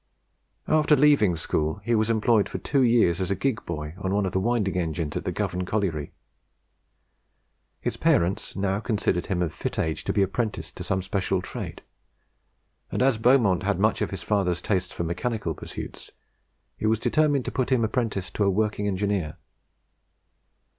After leaving school, he was employed for two years as a gig boy on one of the winding engines at the Govan colliery. His parents now considered him of fit age to be apprenticed to some special trade, and as Beaumont had much of his father's tastes for mechanical pursuits, it was determined to put him apprentice to a working engineer.